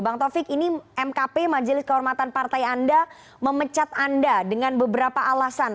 bang taufik ini mkp majelis kehormatan partai anda memecat anda dengan beberapa alasan